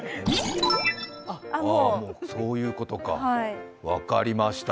あ、そういうことか、分かりました。